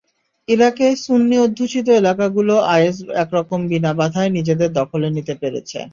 ইরাকে সুন্নি-অধ্যুষিত এলাকাগুলো আইএস একরকম বিনা বাধায় নিজেদের দখলে নিতে পেরেছে।